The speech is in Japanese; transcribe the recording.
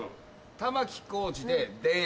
玉置浩二で『田園』。